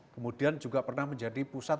kemudian juga pernah menjadi pusat